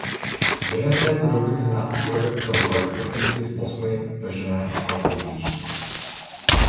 Během této doby se na ostrově usazovali uprchlíci z Bosny držené Osmanskou říší.